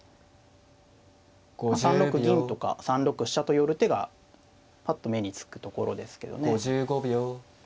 ３六銀とか３六飛車と寄る手がパッと目につくところですけどね。